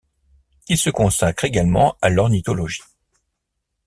Il se consacre également à l’ornithologie.